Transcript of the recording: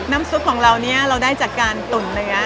น้ำซุปของเราเราได้จากการตุ่นเนื้อ